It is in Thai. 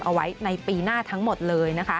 เอาไว้ในปีหน้าทั้งหมดเลยนะคะ